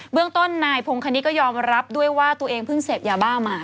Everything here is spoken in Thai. เรื่องต้นนายพงคณิตก็ยอมรับด้วยว่าตัวเองเพิ่งเสพยาบ้ามา